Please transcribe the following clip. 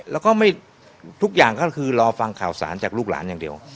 แล้วก็ไม่ทุกอย่างก็คือรอฟังข่าวสารจากลูกหลานอย่างเดียว